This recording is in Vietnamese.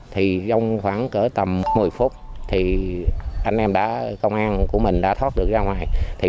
thì dông khoảng cỡ tầm một mươi phút thì anh em đã công an của mình đã thoát được ra ngoài